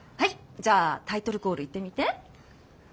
じゃあタイトルコール言ってみて。